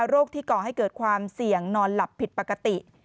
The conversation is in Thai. โรคที่ก่อให้เกิดความเสี่ยงนอนหลับผิดปกติ